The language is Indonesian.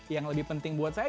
yang lebih penting buat saya